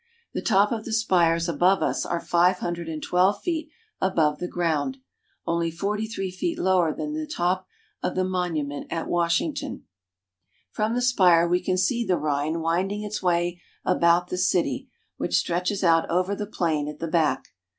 The top of the spires above us are five hun dred and twelve feet above the ground, only forty three feet lower than the top of the monument at Washington. UP THE RHINE TO SWITZERLAND. 237 "Our journey begins at Cologne." From the spire we can see the Rhine winding its way about the city, which stretches out over the plain at the back.